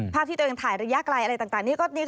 ภาพที่ตัวเองถ่ายระยะไกลอะไรต่างนี้